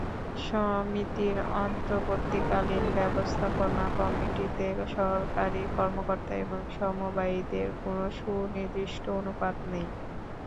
সমিতির অন্তর্বর্তীকালীন ব্যবস্থাপনা কমিটিতে সরকারি কর্মকর্তা এবং সমবায়ীদের কোনো সুনির্দিষ্ট অনুপাত নেই।